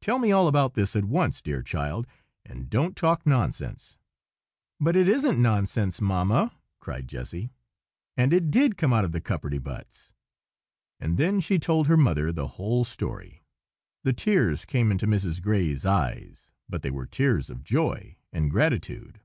Tell me all about this at once, dear child, and don't talk nonsense." "But it isn't nonsense, Mamma!" cried Jessy, "and it did come out of the cupperty buts!" And then she told her mother the whole story. The tears came into Mrs. Gray's eyes, but they were tears of joy and gratitude.